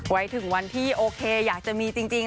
ไว้ถึงวันที่โอเคอยากจะมีจริง